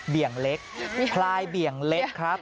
เบี่ยงเล็กพลายเบี่ยงเล็กครับ